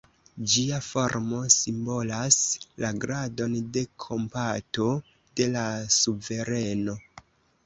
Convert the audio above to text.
Ĝia formo simbolas la gradon de kompato de la suvereno.